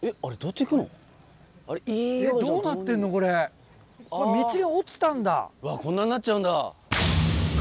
うわこんなんなっちゃうんだ。